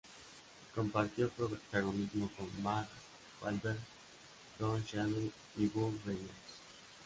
Compartió protagonismo con Mark Wahlberg, Don Cheadle y Burt Reynolds.